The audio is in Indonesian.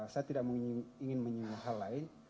saya tidak ingin menyuruh hal lain